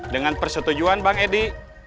dengan persetujuan bang edi